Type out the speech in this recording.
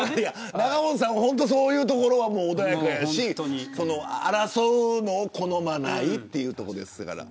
仲本さん、そういうところは本当に穏やかやし争うのを好まないということですから。